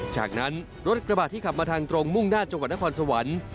จากนั้นรถกระบาดที่ขับมาทางตรงมุ่งหน้าจังหวัดนครสวรรค์